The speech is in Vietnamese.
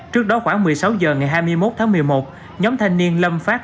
trước đó khoảng một mươi sáu h ngày hai mươi một tháng một mươi một nhóm thanh niên lâm phát